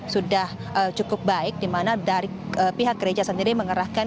sudah cukup baik dimana dari pihak gereja sendiri mengerahkan